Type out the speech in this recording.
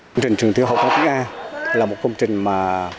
công trình trường tiểu học phong tính a là một công trình mà